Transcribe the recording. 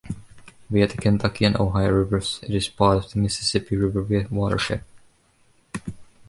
Via the Kentucky and Ohio rivers, it is part of the Mississippi River watershed.